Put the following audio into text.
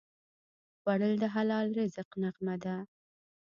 خوړل د حلال رزق نغمه ده